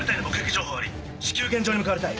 情報あり至急現場に向かわれたい。